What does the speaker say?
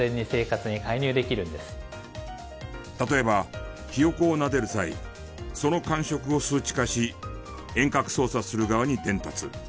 例えばヒヨコをなでる際その感触を数値化し遠隔操作する側に伝達。